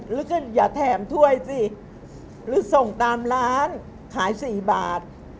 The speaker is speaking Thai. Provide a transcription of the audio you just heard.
หรือก็อย่าแถมถ้วยสิหรือส่งตามร้านขาย๔บาท